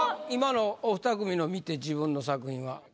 今のおふた組の見て自分の作品は。